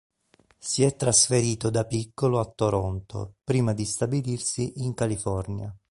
Si è trasferito da piccolo a Toronto prima di stabilirsi in California.